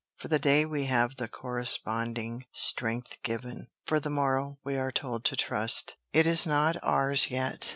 For the day we have the corresponding strength given, for the morrow we are told to trust; it is not ours yet.